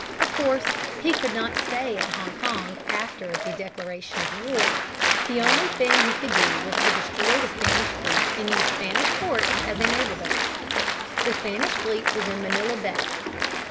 Of course he could not stay at Hong Kong after the declaration of war. The only thing that he could do was to destroy the Spanish fleet and use Spanish ports as a naval base. The Spanish fleet was in Manila Bay.